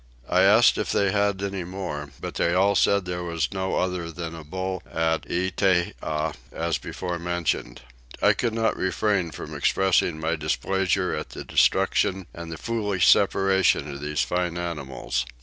I asked if they had any more but they all said there was no other than a bull at Itteah, as before mentioned. I could not refrain from expressing my displeasure at the destruction and the foolish separation of these fine animals.